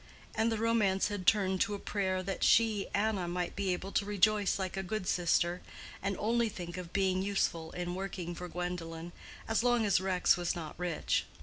And the romance had turned to a prayer that she, Anna, might be able to rejoice like a good sister, and only think of being useful in working for Gwendolen, as long as Rex was not rich.